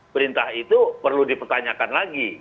perintah itu perlu dipertanyakan lagi